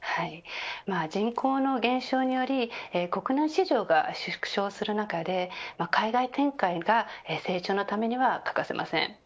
人口の減少により国内市場が縮小する中で海外展開が成長のためには欠かせません。